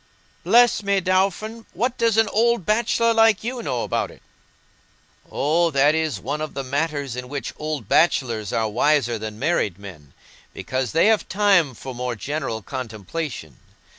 "Bless me, Dauphin, what does an old bachelor like you know about it?" "Oh, that is one of the matters in which old bachelors are wiser than married men, because they have time for more general contemplation.